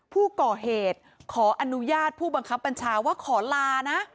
ผู้ก่อเหตุขออนุญาตผู้บังคับบัญชาว่าขอลานะ